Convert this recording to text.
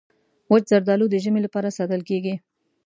وچ زردالو د ژمي لپاره ساتل کېږي.